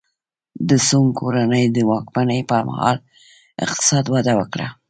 د سونګ کورنۍ د واکمنۍ پرمهال اقتصاد وده وکړه.